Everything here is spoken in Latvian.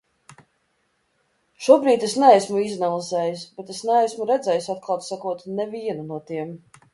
Šobrīd es neesmu izanalizējis, bet es neesmu redzējis, atklāti sakot, nevienu no tiem.